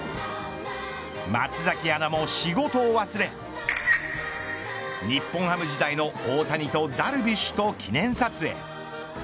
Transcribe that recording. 松崎アナも仕事を忘れ日本ハム時代の大谷とダルビッシュと記念撮影。